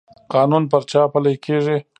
قانون پر چا پلی کیږي؟